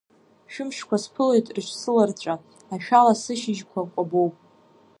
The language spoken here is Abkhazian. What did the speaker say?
Шәымшқәа сԥылоит рыҽсыларҵәа, ашәала сышьыжьқәа кәабоуп.